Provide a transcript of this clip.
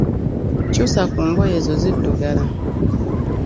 Kyusa ku ngoye ezo ziddugala.